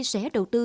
sẽ đầu tư